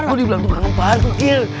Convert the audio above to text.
gue dibilang pengen parkir